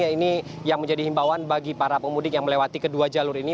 ini yang menjadi himbawan bagi para pemudik yang melewati kedua jalur ini